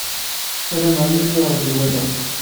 Sarameɣ yiwen ur ɣ-d-iwala.